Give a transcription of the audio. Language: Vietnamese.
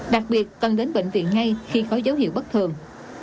đặc biệt cần đến bệnh viện ngay khi có dấu hiệu bất thường